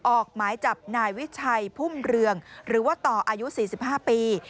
ออกหมายจับนายวิชัยพุ่มเรืองหรือว่าต่ออายุ๔๕ปี